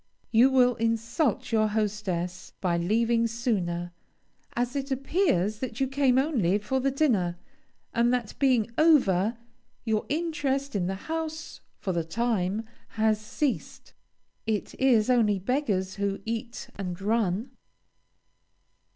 You will insult your hostess by leaving sooner, as it appears that you came only for the dinner, and that being over, your interest in the house, for the time, has ceased. It is only beggars who "eat and run!"